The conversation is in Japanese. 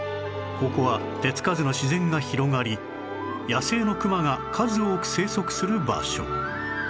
ここは手つかずの自然が広がり野生のクマが数多く生息する場所